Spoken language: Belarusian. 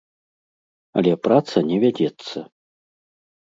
Але праца не вядзецца!